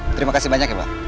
terima kasih banyak ya pak